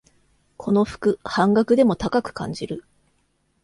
この服、半額でも高く感じる